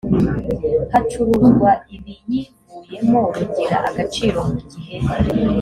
hacuruzwa ibiyivuyemo rugira agaciro mu gihe